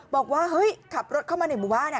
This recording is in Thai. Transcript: บอกว่าเฮ้ยขับรถเข้ามาในหมู่บ้าน